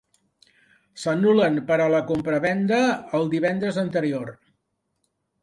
S'anul·len per a la compravenda el divendres anterior.